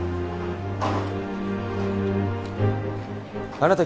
あなた